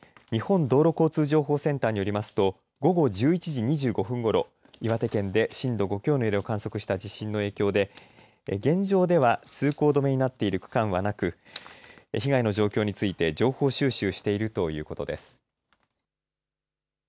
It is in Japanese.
日本道路交通情報センターによりますと午後１１時２５分ごろ岩手県で震度５強の揺れを観測した地震の影響で現状では通行止めになっている区間はなく被害の状況について情報収集しているということです。